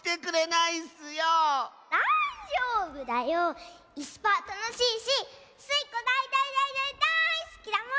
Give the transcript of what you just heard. いすパーたのしいしスイ子だいだいだいだいすきだもん！